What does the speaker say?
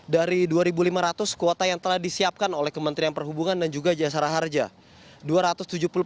dari dua lima ratus kuota yang telah disiapkan oleh kementerian perhubungan dan juga jasara harja